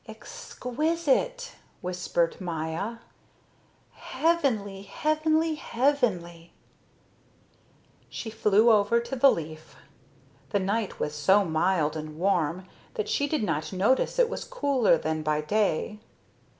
"Exquisite," whispered Maya, "heavenly, heavenly, heavenly." She flew over to the leaf. The night was so mild and warm that she did not notice it was cooler than by day.